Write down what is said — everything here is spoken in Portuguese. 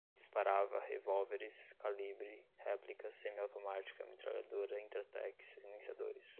disparava, revólveres, calibre, réplicas, semi-automática, metralhadora, intratec, silenciadores